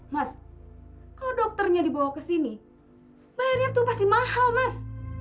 mas kalau dokternya dibawa ke sini bayarnya tuh pasti mahal mas